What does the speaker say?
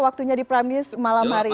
waktunya di prime news malam hari ini